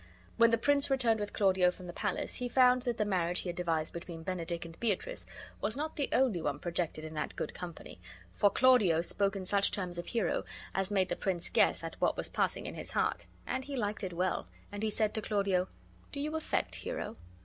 When the prince returned with Claudio from the palace he found that the marriage he had devised between Benedick and Beatrice was not the only one projected in that good company, for Claudio spoke in such terms of Hero as made the prince guess at what was passing in his heart; and he liked it well, and he said to Claudio: "Do you affect Hero?"